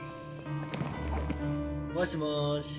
もしもし。